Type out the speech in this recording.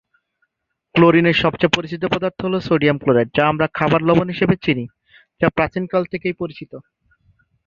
ক্লোরিনের সবচেয়ে পরিচিত পদার্থ হলো সোডিয়াম ক্লোরাইড, যা আমরা খাবার লবণ হিসেবে চিনি, যা প্রাচীনকাল থেকেই পরিচিত।